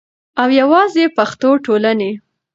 او یواځی پښتو ټولنې